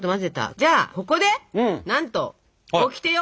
じゃあここでなんとオキテよ！